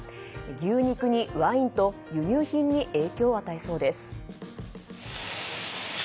牛肉にワインと輸入品に影響を与えそうです。